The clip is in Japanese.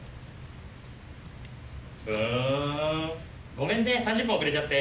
ごめんね３０分遅れちゃって。